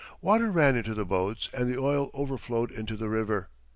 Water ran into the boats and the oil overflowed into the river.